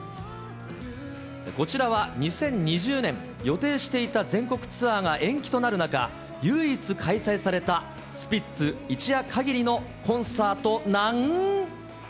こちらは２０２０年、予定していた全国ツアーが延期となる中、唯一開催されたスピッツ一夜かぎりのコンサートなん。